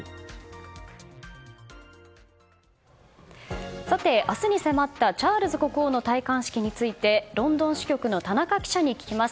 さて、明日に迫ったチャールズ国王の戴冠式についてロンドン支局の田中記者に聞きます。